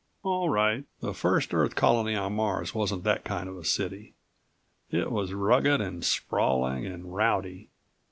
All right, the first Earth colony on Mars wasn't that kind of a city. It was rugged and sprawling and rowdy.